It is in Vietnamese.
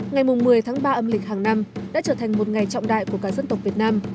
ngày một mươi tháng ba âm lịch hàng năm đã trở thành một ngày trọng đại của cả dân tộc việt nam